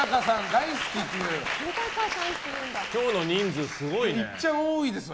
今日の人数、すごいね。